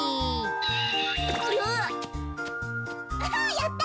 やった！